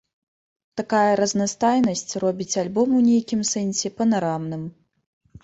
Такая разнастайнасць робіць альбом у нейкім сэнсе панарамным.